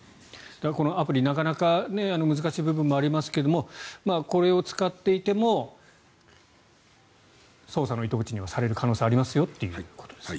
このアプリなかなか難しい部分もありますがこれを使っていても捜査の糸口にはされる可能性がありますよということですね。